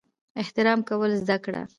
احترام کول زده کړه!